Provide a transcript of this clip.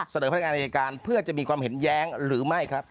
พนักงานอายการเพื่อจะมีความเห็นแย้งหรือไม่ครับ